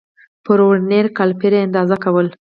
پر ورنیر کالیپر اندازه کول